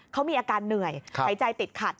เขามีอาการเหนื่อยหายใจติดขัด